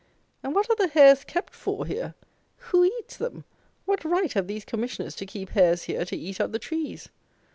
And, what are the hares kept for here? Who eats them? What right have these Commissioners to keep hares here, to eat up the trees?